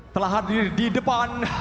telah hadir di depan